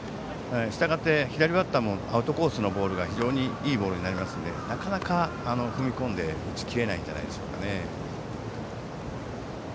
したがって、左バッターもアウトコースのボールが非常にいいボールになるのでなかなか踏み込んで打ち切れないですね。